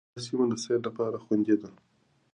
دا سیمه د سیل لپاره خوندي ده.